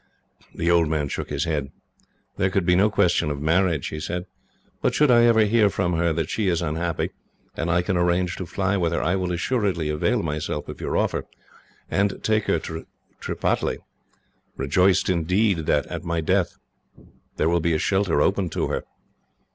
The old man shook his head. "There could be no question of marriage," he said; "but should I ever hear from her that she is unhappy, and I can arrange to fly with her, I will assuredly avail myself of your offer, and take her to Tripataly; rejoiced indeed that, at my death, there will be a shelter open to her.